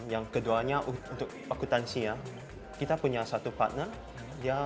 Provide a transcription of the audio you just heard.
yang keduanya untuk akutansia kita punya satu partner